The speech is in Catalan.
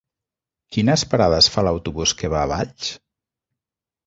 Quines parades fa l'autobús que va a Valls?